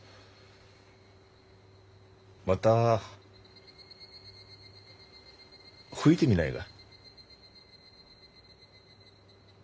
また吹いてみないが？